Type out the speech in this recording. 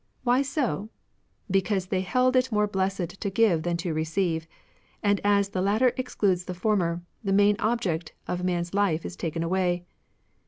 Why so ? Because they held it more blessed to give than to receive ; and as the latter excludes the former, the main object of man's life is taken away.